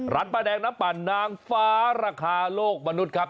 ป้าแดงน้ำปั่นนางฟ้าราคาโลกมนุษย์ครับ